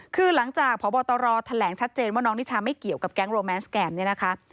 คือหลังจากพบตรแถลงชัดเจนว่าน้องนิชาไม่เกี่ยวกับแก๊งโรแมนสแกมเนี่ยนะคะ